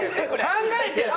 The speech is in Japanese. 考えてる。